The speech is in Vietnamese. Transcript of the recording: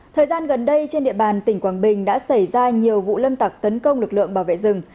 thời gian gần đây trên địa bàn tỉnh quảng bình đã xảy ra nhiều vụ lâm tặc tấn công lực lượng bảo vệ rừng